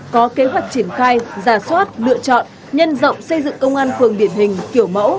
có kế hoạch triển khai giả soát lựa chọn nhân rộng xây dựng công an phường điển hình kiểu mẫu